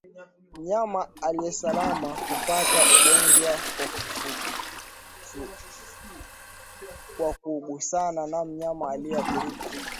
Mnyama aliyesalama hupata ugonjwa kwa kugusana na mnyama aliyeathirika